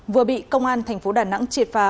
vừa bị công an tp đà nẵng triệt phá